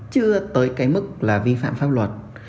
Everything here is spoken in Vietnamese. chưa tới cái mức là vi phạm pháp luật